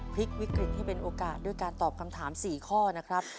พลิกวิกฤตให้เป็นโอกาสด้วยการตอบคำถาม๔ข้อนะครับ